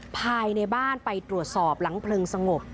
ภายในบ้านไปตรวจสอบหลังเพลิงสงบ